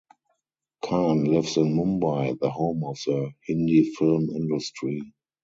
Khan lives in Mumbai, the home of the Hindi film industry.